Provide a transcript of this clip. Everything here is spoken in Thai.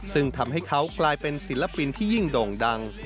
ซึ่งทำให้เขากลายเป็นศิลปินที่ยิ่งโด่งดัง